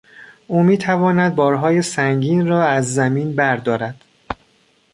او میتواند بارهای سنگین را از زمین بردارد.